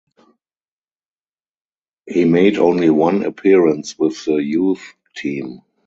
He made only one appearance with the youth team.